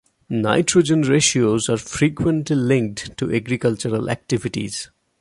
Nitrogen ratios are frequently linked to agricultural activities.